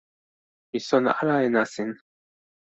mi sona ala e nasin.